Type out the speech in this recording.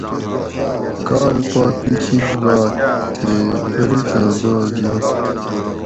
کال پا پِشین گات تھی بریڛاں دوس یۤنت